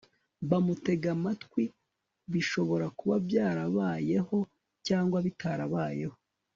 bamutega amatwi, bishobora kuba byarabayeho cyangwa bitarabayeho